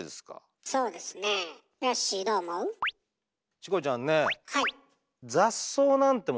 チコちゃんねはい。